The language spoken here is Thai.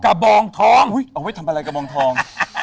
บองทองเอาไว้ทำอะไรกระบองทอง